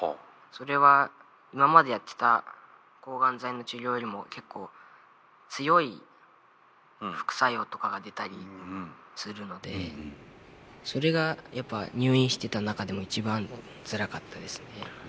それは今までやってた抗ガン剤の治療よりも結構強い副作用とかが出たりするのでそれがやっぱ入院してた中でも一番つらかったですね。